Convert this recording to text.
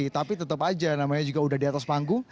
tapi tetap aja namanya juga udah di atas panggung